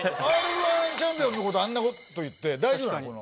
Ｒ−１チャンピオンのことあんなこと言って大丈夫なの？